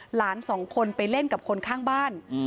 หลานสองคนไปเล่นกับคนข้างบ้าน